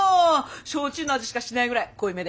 焼酎の味しかしないぐらい濃いめで。